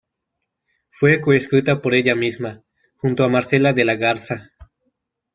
Fue co-escrita por ella misma junto a Marcela de La Garza.